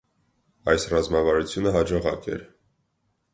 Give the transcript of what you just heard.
Այս ռազմավարությունը հաջողակ էր։